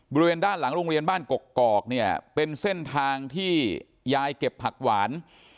บริเวณด้านหลังโรงเรียนบ้านกกอกเนี่ยเป็นเส้นทางที่ยายเก็บผักหวาน